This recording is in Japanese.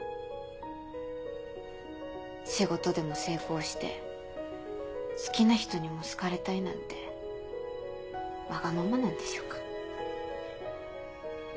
仕事でも成功して好きな人にも好かれたいなんてワガママなんでしょうか？